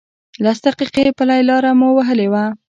لس دقیقې پلی لاره مو وهلې وه.